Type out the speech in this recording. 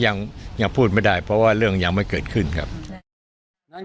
ยังยังพูดไม่ได้เพราะว่าเรื่องยังไม่เกิดขึ้นครับ